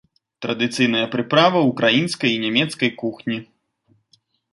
Традыцыйная прыправа ўкраінскай і нямецкай кухні.